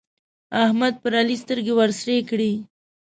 احمد پر علي سترګې ورسرې کړې.